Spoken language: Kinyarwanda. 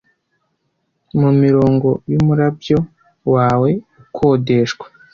mumirongo yumurabyo wawe ukodeshwa